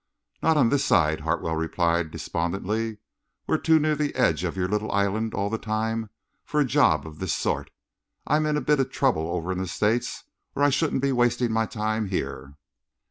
"Not on this side," Hartwell replied despondently. "We're too near the edge of your little island all the time, for a job of this sort. I'm in a bit of trouble over in the States, or I shouldn't be wasting my time here."